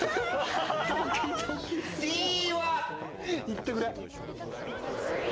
行ってくれ。